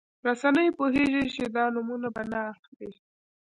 رسنۍ پوهېږي چې د نومونه به نه اخلي.